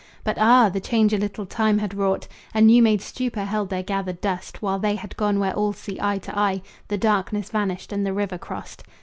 But ah! the change a little time had wrought! A new made stupa held their gathered dust, While they had gone where all see eye to eye, The darkness vanished and the river crossed.